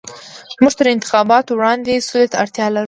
موږ تر انتخاباتو وړاندې سولې ته اړتيا لرو.